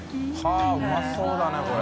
呂うまそうだねこれ。